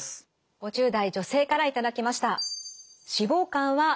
５０代女性から頂きました。